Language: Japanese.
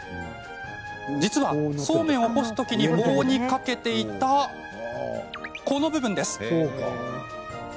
実は、そうめんを干すときに棒に掛けていた、この部分です。